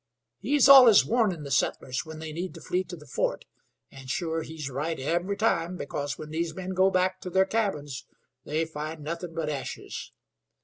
He's allus warnin' the settlers when they need to flee to the fort, and sure he's right every time, because when these men go back to their cabins they find nothin' but ashes.